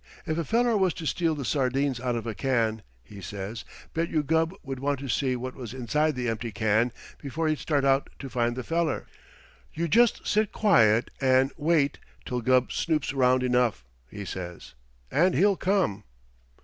If a feller was to steal the sardines out of a can,' he says, 'bet you Gubb would want to see what was inside the empty can before he'd start out to find the feller. You just sit quiet an' wait till Gubb snoops round enough,' he says, 'and he'll come.'"